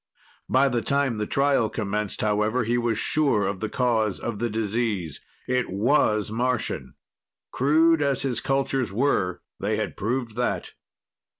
By the time the trial commenced, however, he was sure of the cause of the disease. It was Martian. Crude as his cultures were, they had proved that.